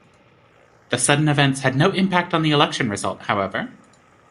The sudden events had no impact on the election result, however.